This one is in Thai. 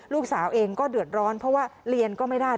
ลูกสาวเองก็เดือดร้อนเพราะว่าเรียนก็ไม่ได้